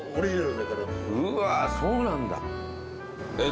うわそうなんだえっ